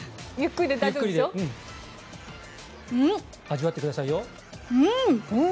味わってくださいよ。